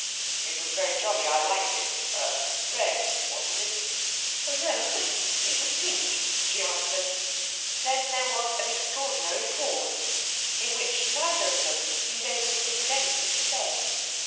'It was very jolly. I liked it. Er red, wasn't it?' 'Oh no! It was pink!' she answered. Then there was an extraordinary pause, in which neither of them seemed able to think of anything to say.